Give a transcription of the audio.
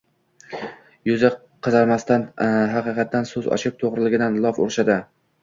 yuzi qizarmasdan haqiqatdan so'z ochib, to'g'riliqdan lof urishadi.